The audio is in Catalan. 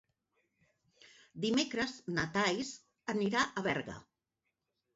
Dimecres na Thaís anirà a Berga.